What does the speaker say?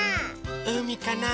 うみかな？